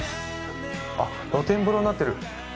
あっ露天風呂になってる。